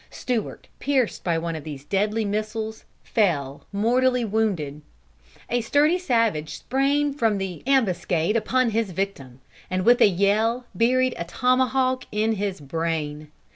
Stewart, pierced by one of these deadly missiles, fell mortally wounded. A sturdy savage sprang from the ambuscade upon his victim, and with a yell buried a tomahawk in his brain.